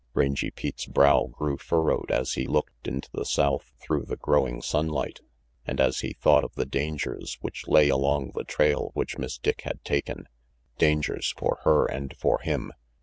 Rangy Pete's brow grew furrowed as he looked into the south through the growing sunlight, and as he thought of the dangers which lay along the trail which Miss Dick had taken, dangers for her and for him.